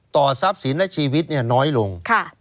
ทรัพย์สินและชีวิตน้อยลง